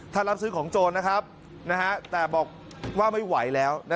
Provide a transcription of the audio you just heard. ถ้ารับซื้อของโจรนะครับแต่บอกว่าไม่ไหวแล้ว